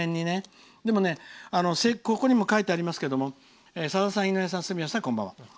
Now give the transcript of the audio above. でも、ここにも書いてありますが「さださん、住吉さん、井上さんこんばんは。